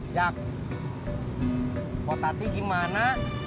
jak kok tati gimana